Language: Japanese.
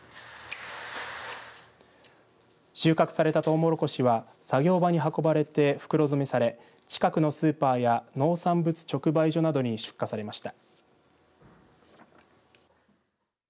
収穫されたトウモロコシは作業場に運ばれて袋詰めされ近くのスーパーや農産物直売所などに出荷されました。